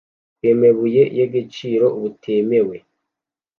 bw’emebuye y’egeciro butemewe,